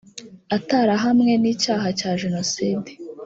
atarahamwe n icyaha cya jenoside